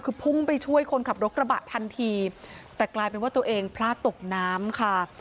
คือพุ่งไปช่วยคนขับรถกระบะทันทีแต่กลายเป็นว่าตัวเองพลาดตกน้ำค่ะ